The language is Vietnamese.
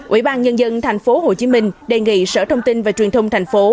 ủy ban nhân dân tp hcm đề nghị sở thông tin và truyền thông thành phố